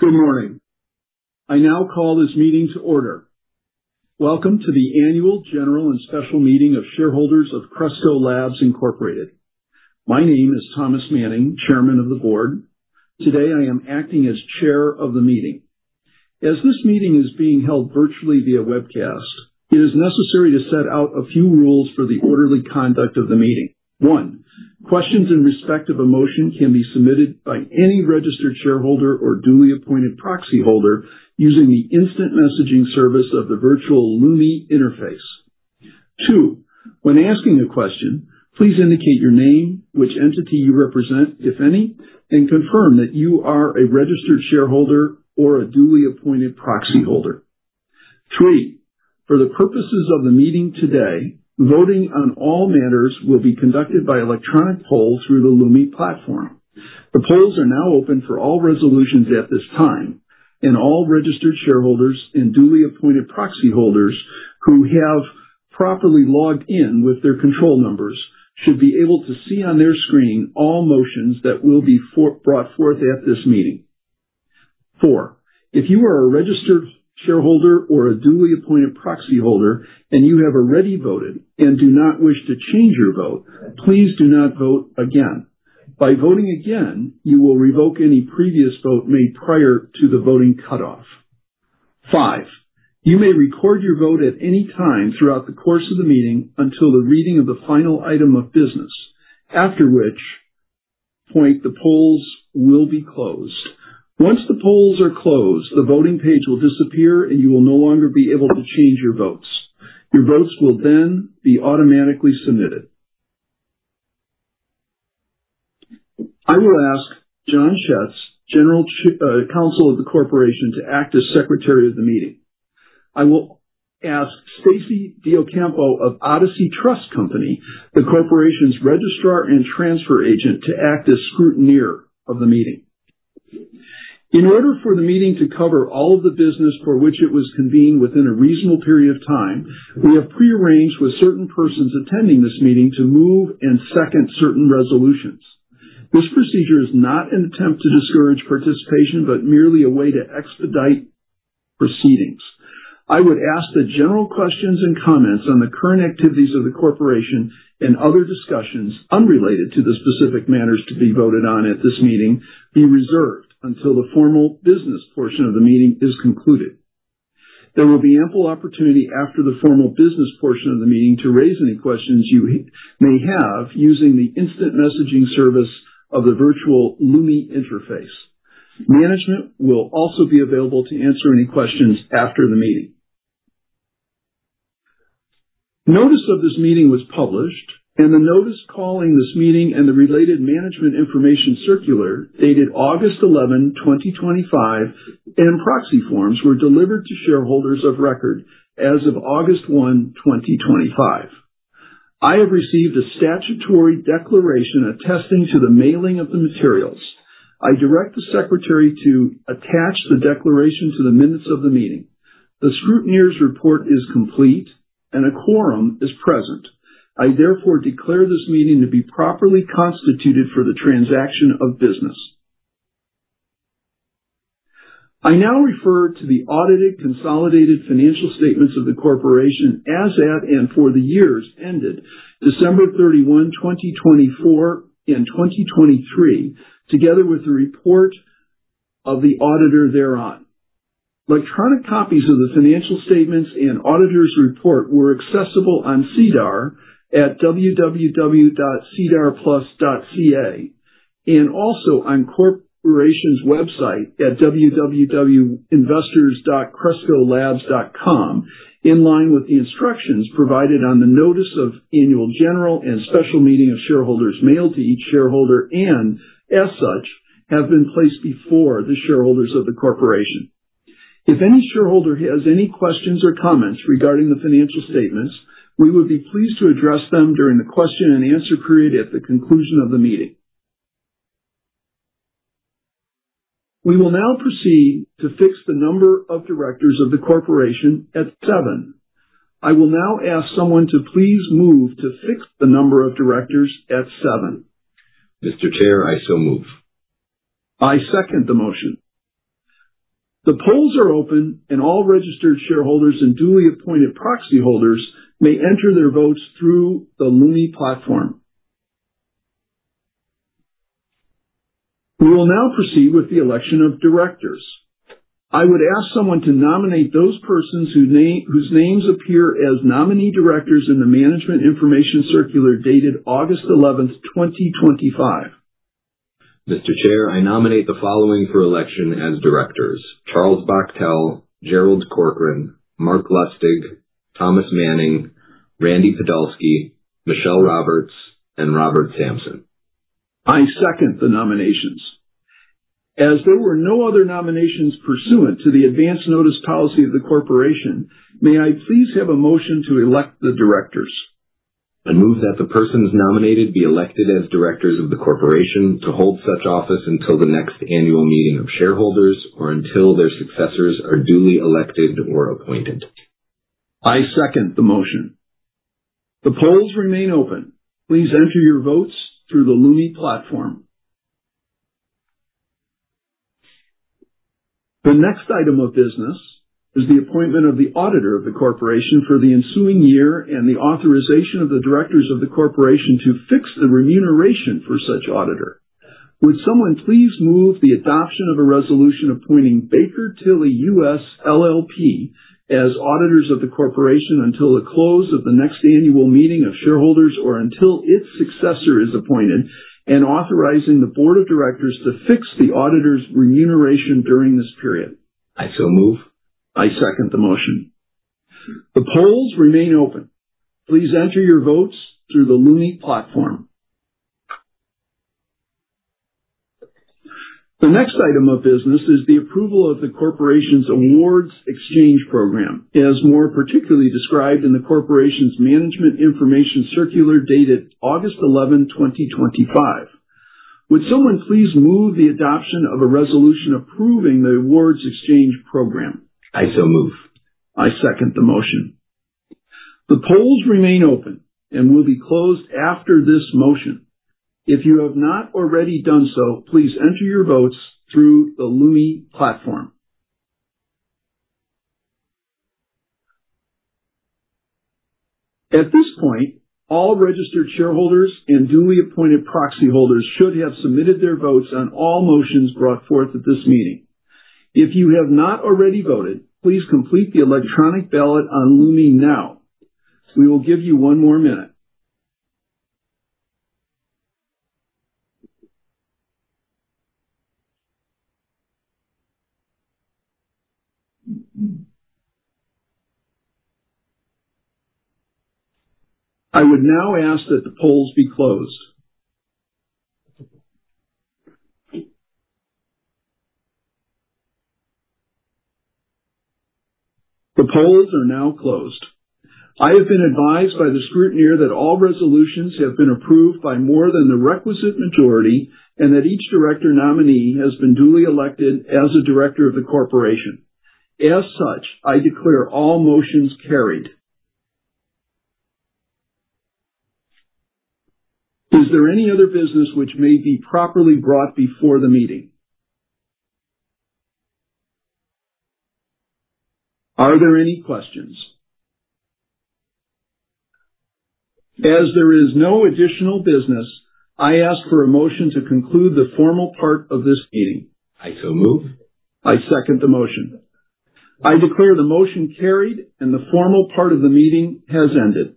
Good morning. I now call this meeting to order. Welcome to the Annual General and Special Meeting of Shareholders of Cresco Labs, Incorporated. My name is Thomas Manning, chairman of the board. Today, I am acting as chair of the meeting. As this meeting is being held virtually via webcast, it is necessary to set out a few rules for the orderly conduct of the meeting. One, questions in respect of a motion can be submitted by any registered shareholder or duly appointed proxyholder using the instant messaging service of the virtual Lumi interface. Two, when asking a question, please indicate your name, which entity you represent, if any, and confirm that you are a registered shareholder or a duly appointed proxyholder. Three, for the purposes of the meeting today, voting on all matters will be conducted by electronic poll through the Lumi platform. The polls are now open for all resolutions at this time, and all registered shareholders and duly appointed proxy holders who have properly logged in with their control numbers should be able to see on their screen all motions that will be brought forth at this meeting. Four, if you are a registered shareholder or a duly appointed proxyholder, and you have already voted and do not wish to change your vote, please do not vote again. By voting again, you will revoke any previous vote made prior to the voting cutoff. Five, you may record your vote at any time throughout the course of the meeting until the reading of the final item of business, after which point the polls will be closed. Once the polls are closed, the voting page will disappear, and you will no longer be able to change your votes. Your votes will then be automatically submitted. I will ask John Schetz, General Counsel of the Corporation, to act as Secretary of the meeting. I will ask Stacy DeOcampo of Odyssey Trust Company, the corporation's Registrar and Transfer Agent, to act as scrutineer of the meeting. In order for the meeting to cover all of the business for which it was convened within a reasonable period of time, we have prearranged with certain persons attending this meeting to move and second certain resolutions. This procedure is not an attempt to discourage participation, but merely a way to expedite proceedings. I would ask that general questions and comments on the current activities of the corporation and other discussions unrelated to the specific matters to be voted on at this meeting be reserved until the formal business portion of the meeting is concluded. There will be ample opportunity after the formal business portion of the meeting to raise any questions you may have using the instant messaging service of the virtual Lumi interface. Management will also be available to answer any questions after the meeting. Notice of this meeting was published, and the notice calling this meeting and the related Management Information Circular, dated August eleven, 2025, and proxy forms were delivered to shareholders of record as of 1 August, 2025. I have received a statutory declaration attesting to the mailing of the materials. I direct the secretary to attach the declaration to the minutes of the meeting. The scrutineer's report is complete and a quorum is present. I therefore declare this meeting to be properly constituted for the transaction of business. I now refer to the audited consolidated financial statements of the corporation as at, and for the years ended 31 December, 2024 and 2023, together with the report of the auditor thereon. Electronic copies of the financial statements and auditor's report were accessible on SEDAR+ at www.sedarplus.ca, and also on corporation's website at www.investors.crescolabs.com, in line with the instructions provided on the Notice of Annual General and Special Meeting of Shareholders mailed to each shareholder, and as such, have been placed before the shareholders of the corporation. If any shareholder has any questions or comments regarding the financial statements, we would be pleased to address them during the question and answer period at the conclusion of the meeting. We will now proceed to fix the number of directors of the corporation at seven. I will now ask someone to please move to fix the number of directors at seven. Mr. Chair, I so move. I second the motion. The polls are open, and all registered shareholders and duly appointed proxy holders may enter their votes through the Lumi platform. We will now proceed with the election of directors. I would ask someone to nominate those persons whose names appear as nominee directors in the Management Information Circular dated 11 August, 2025. Mr. Chair, I nominate the following for election as directors: Charles Bachtell, Gerald Corcoran, Marc Lustig, Thomas Manning, Randy Podolsky, Michele Roberts, and Robert Sampson. I second the nominations. As there were no other nominations pursuant to the advance notice policy of the corporation, may I please have a motion to elect the directors? I move that the persons nominated be elected as directors of the corporation to hold such office until the next annual meeting of shareholders or until their successors are duly elected or appointed. I second the motion. The polls remain open. Please enter your votes through the Lumi platform. The next item of business is the appointment of the auditor of the corporation for the ensuing year and the authorization of the directors of the corporation to fix the remuneration for such auditor. Would someone please move the adoption of a resolution appointing Baker Tilly U.S., LLP as auditors of the corporation until the close of the next annual meeting of shareholders, or until its successor is appointed, and authorizing the board of directors to fix the auditors' remuneration during this period? I so move. I second the motion. The polls remain open. Please enter your votes through the Lumi platform. The next item of business is the approval of the corporation's awards exchange program, as more particularly described in the corporation's management information circular, dated 11 August 2025. Would someone please move the adoption of a resolution approving the awards exchange program? I so move. I second the motion. The polls remain open and will be closed after this motion. If you have not already done so, please enter your votes through the Lumi platform. At this point, all registered shareholders and duly appointed proxy holders should have submitted their votes on all motions brought forth at this meeting. If you have not already voted, please complete the electronic ballot on Lumi now. We will give you one more minute. I would now ask that the polls be closed. The polls are now closed. I have been advised by the scrutineer that all resolutions have been approved by more than the requisite majority and that each director nominee has been duly elected as a director of the corporation. As such, I declare all motions carried. Is there any other business which may be properly brought before the meeting? Are there any questions? As there is no additional business, I ask for a motion to conclude the formal part of this meeting. I so move. I second the motion. I declare the motion carried and the formal part of the meeting has ended.